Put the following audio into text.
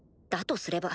とすれば